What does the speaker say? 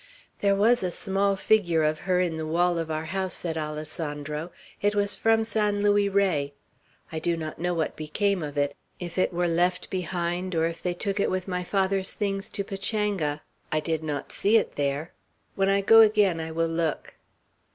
"There was a small figure of her in the wall of our house," said Alessandro. "It was from San Luis Rey. I do not know what became of it, if it were left behind, or if they took it with my father's things to Pachanga. I did not see it there. When I go again, I will look."